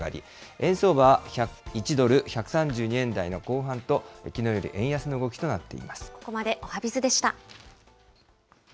円相場は１ドル１３２円台の後半と、きのうより円安の動きとなっここまでおはＢｉｚでした。